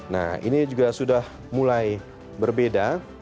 nah ini juga sudah mulai berbeda